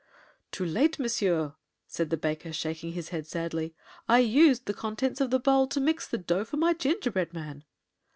"Too late, Monsieur," said the baker, shaking his head, sadly. "I used the contents of the bowl to mix the dough for my gingerbread man."